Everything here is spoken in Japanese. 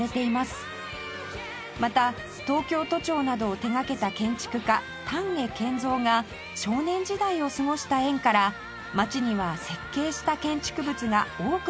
また東京都庁などを手掛けた建築家丹下健三が少年時代を過ごした縁から街には設計した建築物が多く残されています